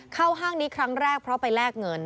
ห้างนี้ครั้งแรกเพราะไปแลกเงิน